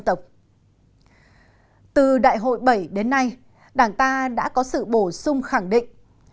từ đại hội bảy đến nay đảng ta đã có sự bổ sung khẳng định